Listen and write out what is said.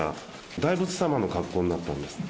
大仏様の格好になったんです。